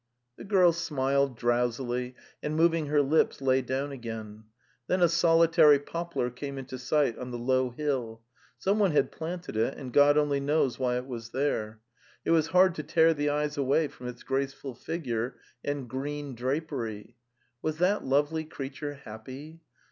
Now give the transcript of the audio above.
The girl smiled drowsily, and moving her lips lay down again; then a solitary poplar came into sight on the low hill. Someone had planted it, and God only knows why it was there. It was hard to tear the eyes away from its graceful figure and green drapery. Was that lovely creature happy?